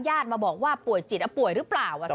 ญาติมาบอกว่าป่วยจิตป่วยหรือเปล่า